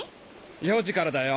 ４時からだよ。